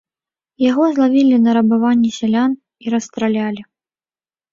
Яго злавілі на рабаванні сялян і расстралялі.